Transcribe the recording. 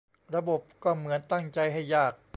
ระบบก็เหมือนตั้งใจให้ยาก